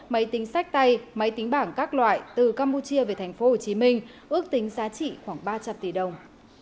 máy tính sách tay máy tính bảng các loại từ campuchia về tp hcm ước tính giá trị khoảng ba trăm linh tỷ đồng